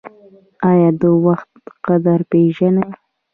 ایا د وخت قدر پیژنئ؟